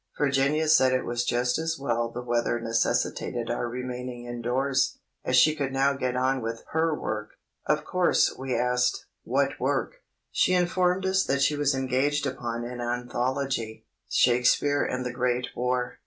Virginia said it was just as well the weather necessitated our remaining indoors, as she could now get on with her work. Of course we asked: What work? She informed us that she was engaged upon an anthology, "Shakespeare and the Great War."